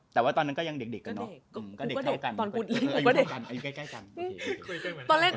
แต่ตอนนั้นก็ยังเด็กซึ่งเด็กกับถ่ายลง